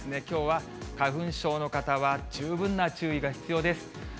きょうは花粉症の方は十分な注意が必要です。